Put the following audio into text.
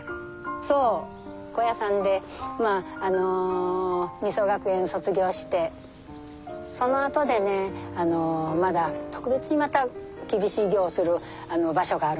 そう高野山で尼僧学園卒業してそのあとでねまだ特別にまた厳しい業をする場所があるのね。